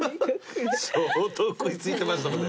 相当食い付いてましたもんね。